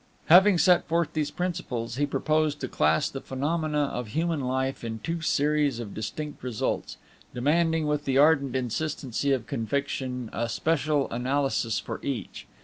Having set forth these principles, he proposed to class the phenomena of human life in two series of distinct results, demanding, with the ardent insistency of conviction, a special analysis for each.